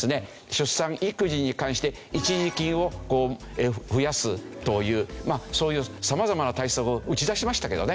出産育児に関して一時金を増やすというそういう様々な対策を打ち出しましたけどね。